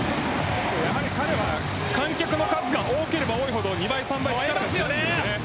やはり彼は観客の数が多ければ多いほど２倍、３倍力が出ますよね。